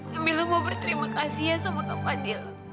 kamila mau berterima kasih ya sama kak fadil